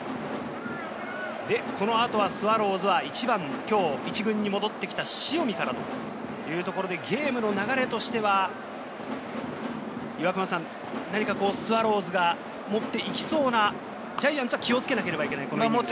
この後はスワローズは１番、今日１軍に戻ってきた塩見からというところで、ゲームの流れとしては、何かスワローズが持っていきそうな、ジャイアンツは気を付けなければいけないイニングですね。